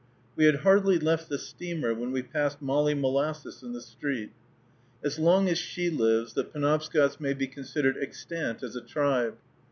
We had hardly left the steamer, when we passed Molly Molasses in the street. As long as she lives, the Penobscots may be considered extant as a tribe.